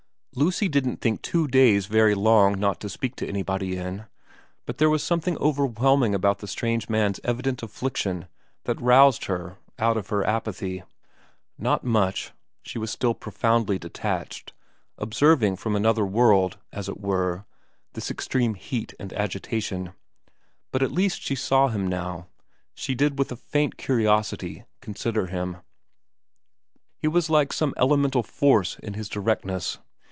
Lucy didn't think two days very long not to speak to anybody in, but there was something overwhelming about the strange man's evident affliction that roused her out of her apathy ; not much, she was still pro foundly detached, observing from another world, as it were, this extreme heat and agitation, but at least she saw him now, she did with a faint curiosity consider him. He was like some elemental force in his directness.